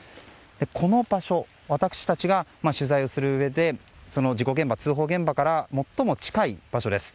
この場所、私たちが取材をするうえで事故現場、通報現場から最も近い場所です。